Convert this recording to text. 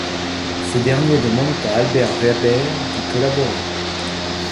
Ces derniers demandent à Albert Weber d’y collaborer.